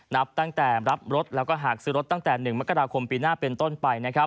นับตั้งแต่รับรถแล้วก็หากซื้อรถตั้งแต่๑มกราคมปีหน้าเป็นต้นไป